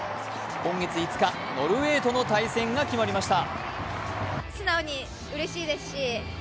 今月５日、ノルウェーとの対戦が決まりました。